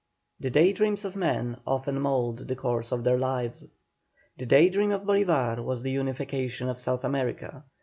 The day dreams of men often mould the course of their lives. The day dream of Bolívar was the unification of South America.